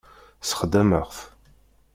Sexdameɣ-t.